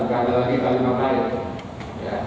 tidak ada lagi kali yang kita lakukan